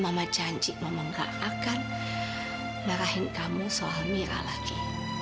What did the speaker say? mama janji mama gak akan ngarahin kamu soal mira lagi